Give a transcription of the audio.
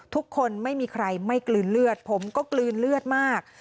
ไม่มีใครไม่กลืนเลือดผมก็กลืนเลือดมาก